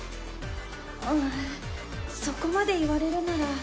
あそこまで言われるなら。